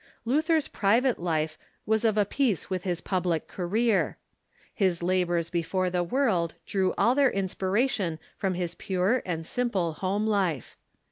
Luther's private life w^as of a piece with his public career. His labors before the world drew all their ins^^iration from liis pure and simple home life.